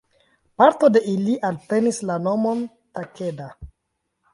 Parto de ili alprenis la nomon Takeda.